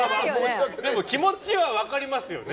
気持ちは分かりますよね。